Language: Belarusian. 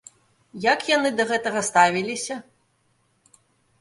Як яны да гэтага ставіліся?